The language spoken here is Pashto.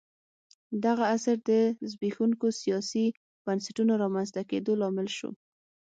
دغه عصر د زبېښونکو سیاسي بنسټونو رامنځته کېدو لامل شو